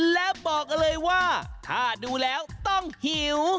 และบอกเลยว่าถ้าดูแล้วต้องหิว